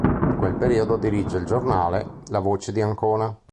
In questo periodo dirige il giornale La voce di Ancona.